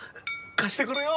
貸してくれよ！